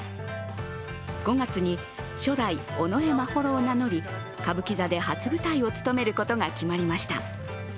５月に初代尾上眞秀を名乗り、歌舞伎座で初舞台を勤めることが決まりました。